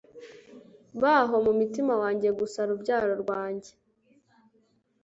Baho mu mutima wanjye gusa rubyaro rwanjye